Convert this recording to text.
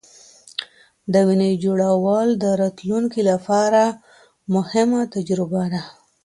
د وینې جوړول د راتلونکې لپاره مهمه تجربه ده.